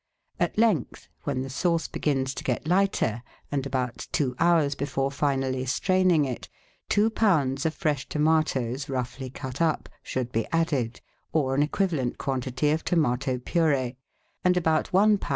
At length, when the sauce begins to get lighter, and about two hours before finally straining it, two lbs. of fresh tomatoes, roughly cut up, should be added, or an equivalent quantity of tomato pur^e, and about one lb.